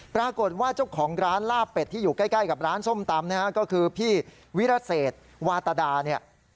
ปรากฏว่าเจ้าของร้านลาบเป็ดที่อยู่ใกล้กับร้านส้มตำนะฮะก็คือพี่วิรเศษวาตดาเนี่ย